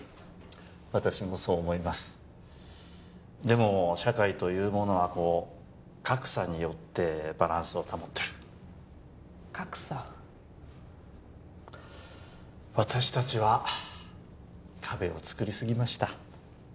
私もそう思いますでも社会というものはこう格差によってバランスを保ってる格差私達は壁をつくりすぎました